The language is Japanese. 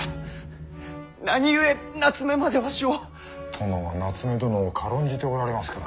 殿は夏目殿を軽んじておられますから。